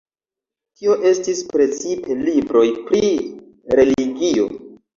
Tio estis precipe libroj pri religio.